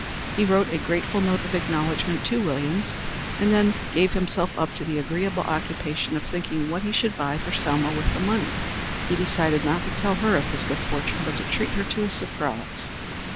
He wrote a grateful note of acknowledgment to Williams, and then gave himself up to the agreeable occupation of thinking what he should buy for Selma with the money. He decided not to tell her of his good fortune, but to treat her to a surprise.